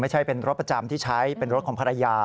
ไม่ใช่เป็นรถประจำที่ใช้เป็นรถของภรรยา